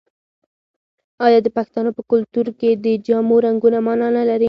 آیا د پښتنو په کلتور کې د جامو رنګونه مانا نلري؟